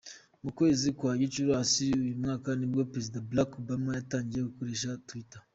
Mu kwezi kwa Gicurasi uyu mwaka nibwo Perezida Barack Obama yatangiye gukoresha Twitter.